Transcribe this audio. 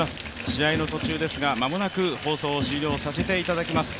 試合の途中ですが、間もなく放送を終了させていただきます。